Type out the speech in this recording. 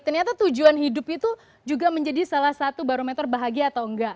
ternyata tujuan hidup itu juga menjadi salah satu barometer bahagia atau enggak